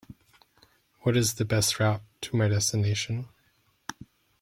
What is the best route to my destination?